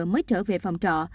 mới trở về phòng trọ